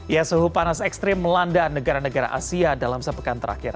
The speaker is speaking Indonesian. ya suhu panas ekstrim melanda negara negara asia dalam sepekan terakhir